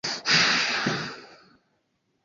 kuhusu kuteswa kwa wafungwa nchini Uganda na